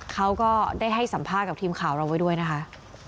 เขาก็ได้ให้สัมภาษณ์กับทีมข่าวเราไว้ด้วยนะคะ